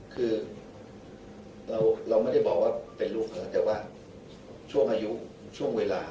คือเราไม่ได้บอกว่าเป็นลูกเขาแต่ว่าช่วงอายุช่วงเวลา